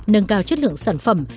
nâng cao chất lượng sản phẩm